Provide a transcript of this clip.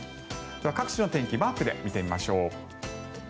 各地の天気マークで見てみましょう。